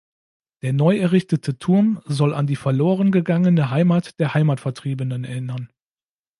Der neu errichtete Turm soll an die verloren gegangene Heimat der Heimatvertriebenen erinnern.